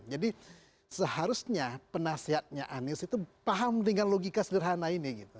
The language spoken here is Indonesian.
jadi seharusnya penasihatnya anies itu paham dengan logika sederhana ini gitu